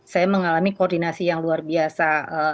saya mengalami koordinasi yang luar biasa